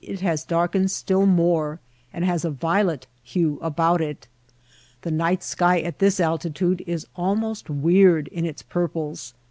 Bright sky colors. has darkened still more and has a violet hue about it. The night sky at this altitude is al most weird in its purples.